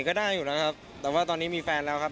ก็ได้อยู่แล้วครับแต่ว่าตอนนี้มีแฟนแล้วครับ